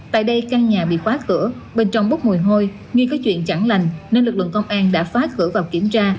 tại đây căn nhà bị khóa cửa bên trong bốc mùi hôi nghi có chuyện chẳng lành nên lực lượng công an đã phá cửa vào kiểm tra